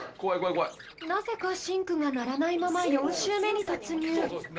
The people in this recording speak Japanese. ［なぜかシンクが鳴らないまま４周目に突入］